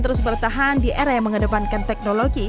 terus bertahan di era yang mengedepankan teknologi